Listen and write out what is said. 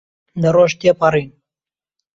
دە ڕۆژ تێپەڕین.